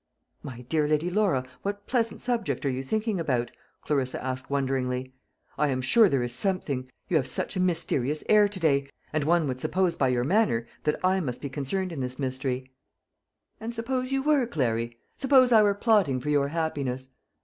"My dear Lady Laura, what pleasant subject are you thinking about?" Clarissa asked wonderingly; "I am sure there is something. You have such a mysterious air to day, and one would suppose by your manner that I must be concerned in this mystery." "And suppose you were, Clary suppose I were plotting for your happiness?